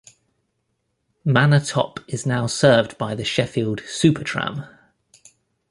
Manor Top is now served by the Sheffield Supertram.